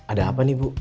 ada apa nih bu